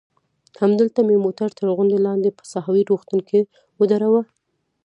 همدلته مې موټر تر غونډۍ لاندې په ساحوي روغتون کې ودراوه.